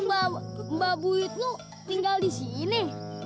emang mbak buyut lu tinggal di sini